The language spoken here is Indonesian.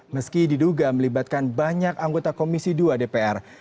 meski diduga melibatkan banyak anggota komisi dua dpr